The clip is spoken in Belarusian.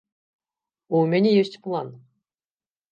У мяне ёсць план.